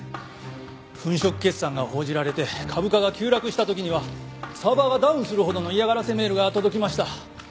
粉飾決算が報じられて株価が急落した時にはサーバーがダウンするほどの嫌がらせメールが届きました。